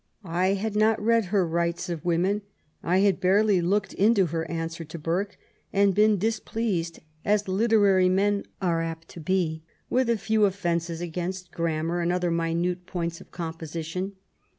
I had not read her Rights of Women, I had barely looked into her answer to Burke, and been displeased, as literary men are apt to be with a few offences against grammar and other minute points of composition.